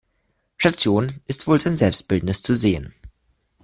Station ist wohl sein Selbstbildnis zu sehen.